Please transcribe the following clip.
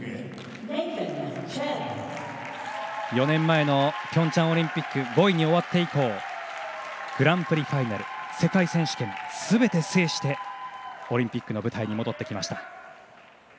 ４年前のピョンチャンオリンピックで５位に終わって以降グランプリファイナル世界選手権、すべて制してオリンピックの舞台に戻ってきました。